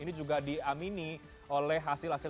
ini juga diamini oleh hasil hasil